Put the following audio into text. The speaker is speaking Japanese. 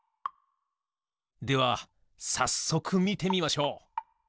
ではさっそくみてみましょう！